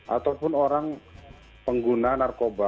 ataupun orang pengguna narkoba